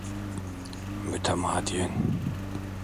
Mütemadiyen!